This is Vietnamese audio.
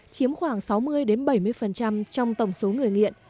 chiếm khoảng sáu mươi bảy mươi trong tổng số người nghiện